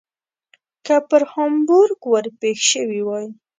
که پر هامبورګ ور پیښ شوي وای.